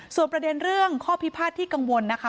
ส่วนประเด็นเรื่องข้อพิพาทที่กังวลนะคะ